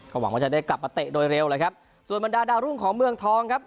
หวังว่าจะได้กลับมาเตะโดยเร็วเลยครับส่วนบรรดาดาวรุ่งของเมืองทองครับ